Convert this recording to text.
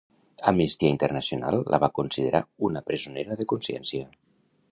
Amnistia Internacional la va considerar una presonera de consciència.